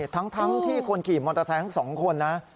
ทั้งที่คนขี่มอเตอร์ไซค์ทั้ง๒คนนะ